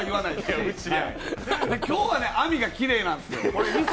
今日は網がきれいなんですよ。